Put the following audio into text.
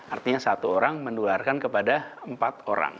artinya satu orang menularkan kepada empat orang